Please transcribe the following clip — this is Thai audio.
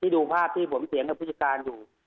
ดูภาพผมเจียงกับผู้จิการอยู่